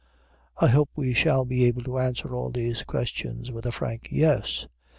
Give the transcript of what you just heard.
I hope we shall be able to answer all these questions with a frank yes.